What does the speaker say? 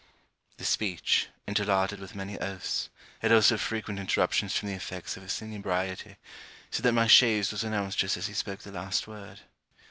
This speech, interlarded with many oaths, had also frequent interruptions from the effects of his inebriety, so that my chaise was announced just as he spoke the last word.